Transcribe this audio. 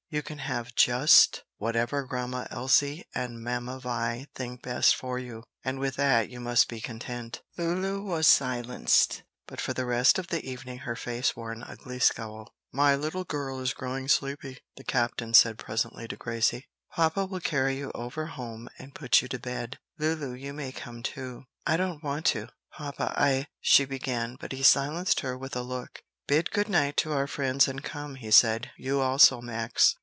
You can have just whatever Grandma Elsie and Mamma Vi think best for you, and with that you must be content." Lulu was silenced, but for the rest of the evening her face wore an ugly scowl. "My little girl is growing sleepy," the captain said presently to Gracie. "Papa will carry you over home and put you to bed. Lulu, you may come too." "I don't want to, papa, I " she began; but he silenced her with a look. "Bid good night to our friends and come," he said. "You also, Max."